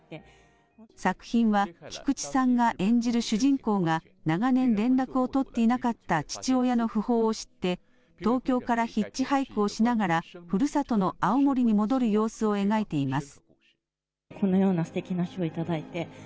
作品は菊地さんが演じる主人公が長年連絡を取っていなかった父親の訃報を知って東京からヒッチハイクをしながらふるさとの青森に戻る様子を描いています。